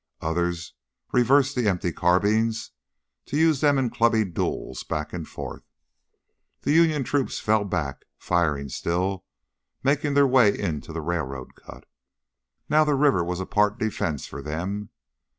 Others reversed the empty carbines, to use them in clubbing duels back and forth. The Union troops fell back, firing still, making their way into the railroad cut. Now the river was a part defense for them.